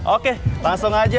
oke langsung aja